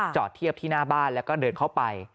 จอดเทียบที่หน้าบ้านแล้วก็เดินเข้าไป